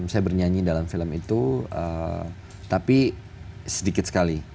saya bernyanyi dalam film itu tapi sedikit sekali